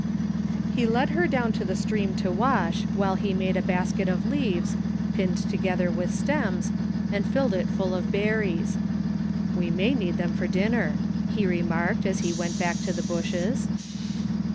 He led her down to the stream to wash while he made a basket of leaves, pinned together with stems, and filled it full of berries. " We may need them for dinner/* he remarked as he went back to the bushes.